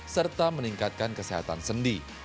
serta meningkatkan kesehatan sendi